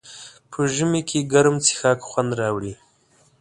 په ژمي کې ګرم څښاک خوند راوړي.